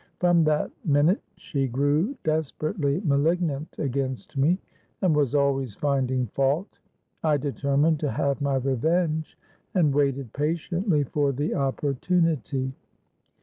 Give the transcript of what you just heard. From that minute she grew desperately malignant against me, and was always finding fault. I determined to have my revenge, and waited patiently for the opportunity.